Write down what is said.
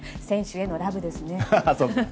選手へのラブですね。